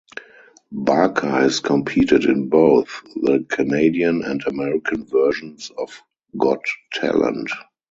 Barker has competed in both the Canadian and American versions of "Got Talent".